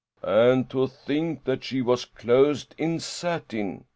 "And to think that she was clothed in satin!"